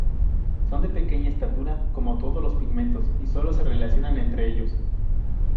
Son de pequeña estatura como todos los pigmeos y solo se relacionan entre ellos.